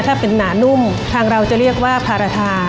ถ้าเป็นหนานุ่มทางเราจะเรียกว่าภาระทา